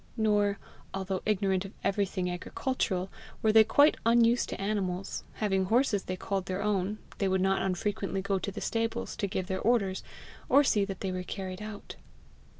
Nor, although ignorant of everything agricultural, were they quite unused to animals; having horses they called their own, they would not unfrequently go to the stables to give their orders, or see that they were carried out.